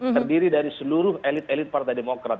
terdiri dari seluruh elit elit partai demokrat